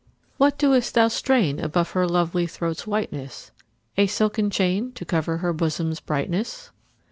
What dost thou strain above her Lovely throat's whiteness ? A silken chain, to cover Her bosom's brightness